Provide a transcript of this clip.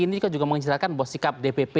ini juga menginstalkan bahwa sikap dpp